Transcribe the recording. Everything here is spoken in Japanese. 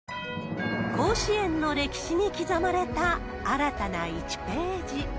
甲子園の歴史に刻まれた新たな１ページ。